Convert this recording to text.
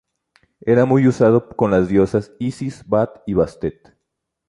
Era muy usado con las diosas Isis, Bat y Bastet.